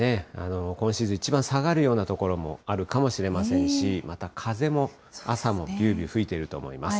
今シーズン一番下がるような所もあるかもしれませんし、また風も朝もびゅーびゅー吹いていると思います。